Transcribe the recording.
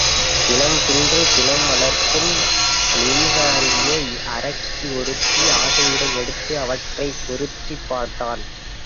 பிணம் தின்று நிணம் வளர்க்கும் நிசிசரியாகிய அரக்கி ஒருத்தி ஆசையுடன் எடுத்து அவற்றைப் பொருத்திப் பார்த்தாள்.